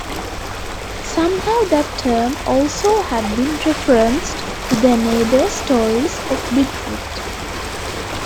Somehow that term also had been referenced to their neighbors' stories of bigfoot.